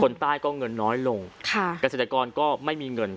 คนใต้ต้องเงินน้อยลงค่ะและเศรษฐกรณ์ก็ไม่มีเงิน